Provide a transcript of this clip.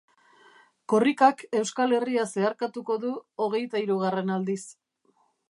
Korrikak Euskal Herria zeharkatuko du hogeita hirugarren aldiz.